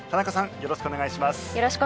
よろしくお願いします。